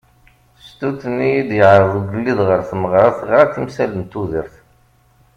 Stut-nni i d-yeɛreḍ ugelliḍ ɣer tmeɣra teɣra timsal n tudert.